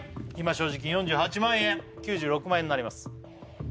今所持金４８万円９６万円になります